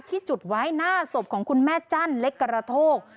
ที่จุดไว้หน้าศพของคุณแม่จั้นเล็กกระโทก